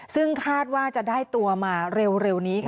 ซึ่งคาดว่าจะได้ตัวมาเร็วนี้ค่ะ